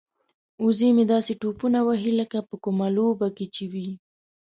وزه مې داسې ټوپونه وهي لکه په کومه لوبه کې چې وي.